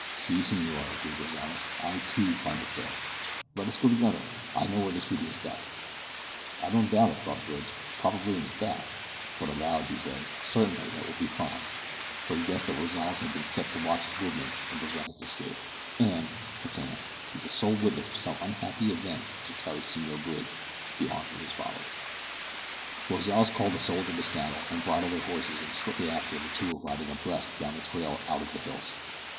"Si, senor," agreed Rozales; "I, too, find it so. Let us go together I know where the shooting is best." "I don't doubt it," thought Bridge; "probably in the back;" but aloud he said: "Certainly, that will be fine," for he guessed that Rozales had been set to watch his movements and prevent his escape, and, perchance, to be the sole witness of some unhappy event which should carry Senor Bridge to the arms of his fathers. Rozales called a soldier to saddle and bridle their horses and shortly after the two were riding abreast down the trail out of the hills.